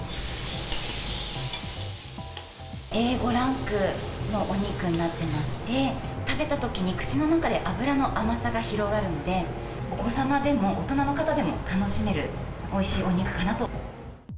Ａ５ランクのお肉になってまして、食べたときに口の中で脂の甘さが広がるので、お子様でも大人の方でも楽しめる、おいしいお肉かなと。